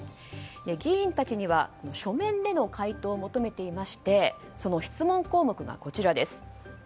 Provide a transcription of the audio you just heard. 議員たちには書面での回答を求めていましてその質問項目がこちらです。